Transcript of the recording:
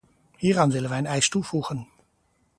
Hieraan willen wij een eis toevoegen.